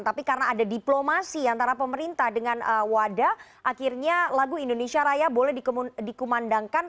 tapi karena ada diplomasi antara pemerintah dengan wadah akhirnya lagu indonesia raya boleh dikumandangkan